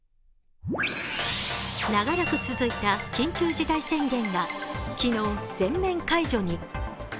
長らく続いた緊急事態宣言が昨日、全面解除に。